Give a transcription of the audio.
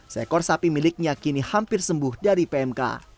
seekor sapi miliknya kini hampir sembuh dari pmk